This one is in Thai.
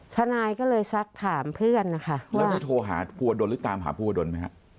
ทนายก็เลยซักถามเพื่อนนะคะแล้วได้โทรหาภูวดลหรือตามหาภูวดลไหมฮะ